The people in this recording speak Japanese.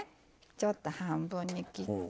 ちょっと半分に切って。